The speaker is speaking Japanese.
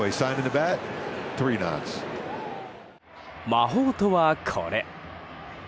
魔法とは、これ。